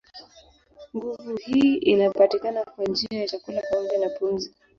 Nguvu hii inapatikana kwa njia ya chakula pamoja na pumzi.